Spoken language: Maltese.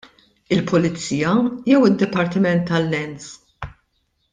Il-Pulizija jew id-Dipartiment tal-Lands?